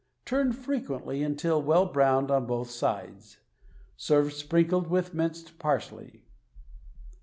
Turn frequently until well browned on both sides. Serve sprinkled with minced parsley.